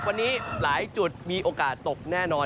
วันนี้หลายจุดมีโอกาสตกแน่นอน